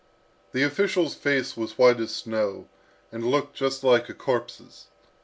The official's face was white as snow, and looked just like a corpse's.